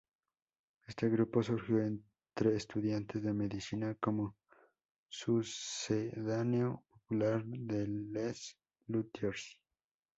Este grupo surgió entre estudiantes de medicina como sucedáneo popular de Les Luthiers.